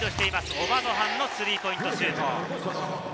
オバソハンのスリーポイントシュート。